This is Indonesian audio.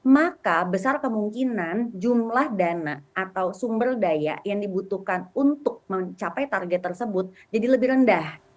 maka besar kemungkinan jumlah dana atau sumber daya yang dibutuhkan untuk mencapai target tersebut jadi lebih rendah